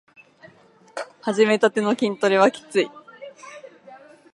はじめたての筋トレはきつい